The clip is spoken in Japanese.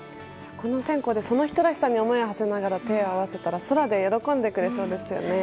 この線香でその人らしさに思いをはせながら手を合わせたら空で喜んでくれそうですね。